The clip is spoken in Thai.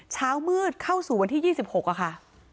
เช้ามืดเข้าสู่วันที่๒๖ค่ะ